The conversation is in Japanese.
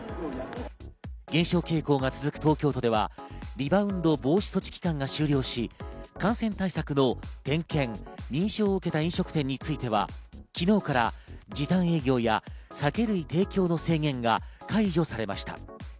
減少傾向が続く東京都ではリバウンド防止措置期間が終了し感染対策の点検・認証を受けた店については、昨日から時短営業や酒類提供の制限が解除されました。